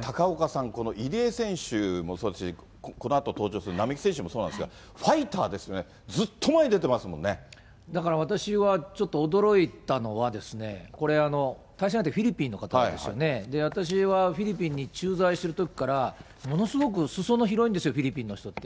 高岡さん、この入江選手もそうですし、このあと登場する並木選手もそうなんですが、ファイターですね、だから私は、ちょっと驚いたのは、これ、対戦相手、フィリピンの方ですよね、私はフィリピンに駐在するときから、ものすごくすそ野広いんですよ、フィリピンの人って。